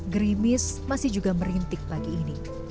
gerimis masih juga merintik pagi ini